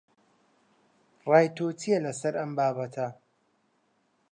ڕای تۆ چییە لەسەر ئەم بابەتە؟